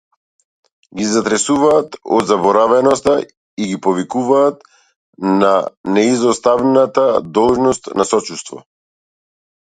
Ги затресуваат од заборавеноста и ги повикуваат на неизоставната должност на сочувството.